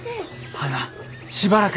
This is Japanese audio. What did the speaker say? はなしばらく。